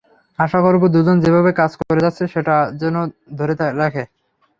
আশা করব, দুজন যেভাবে কাজ করে যাচ্ছে সেটা যেন ধরে রাখে।